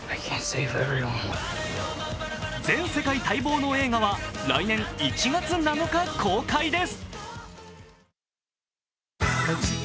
全世界待望の映画は来年１月７日公開です。